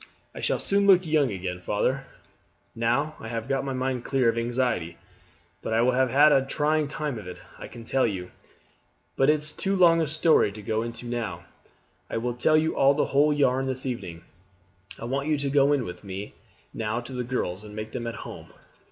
"I shall soon look young again, father, now I have got my mind clear of anxiety. But I have had a trying time of it, I can tell you; but it's too long a story to go into now, I will tell you all the whole yarn this evening. I want you to go in with me now to the girls and make them at home.